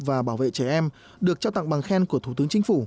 và bảo vệ trẻ em được trao tặng bằng khen của thủ tướng chính phủ